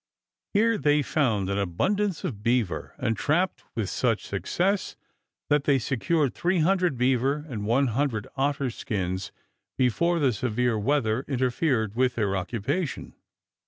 Here they found an abundance of beaver, and trapped with such success that they secured 300 beaver and 100 otter skins before the severe weather interfered with their occupation.